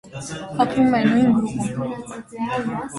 Ապրում է նույն գյուղում։